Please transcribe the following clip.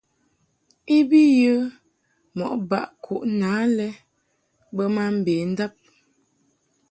I bi yə mɔʼ baʼ ku na I bə ma mbendab.